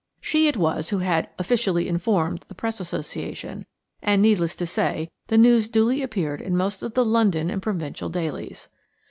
She it was who had "officially informed" the Press Association, and, needless to say, the news duly appeared in most of the London and provincial dailies.